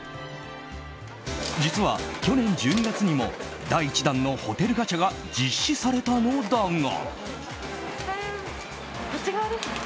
実は、去年１２月にも第１弾のホテルガチャが実施されたのだが。